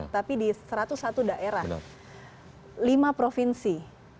tapi di satu ratus satu daerah lima provinsi